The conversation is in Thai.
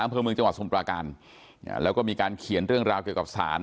เมืองจังหวัดสมุดประการอ่าแล้วก็มีการเขียนเรื่องราวเกี่ยวกับศาล